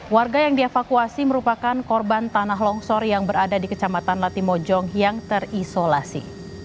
warga yang dievakuasi merupakan korban tanah longsor yang berada di kecamatan latimojong yang terisolasi